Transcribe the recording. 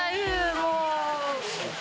もう。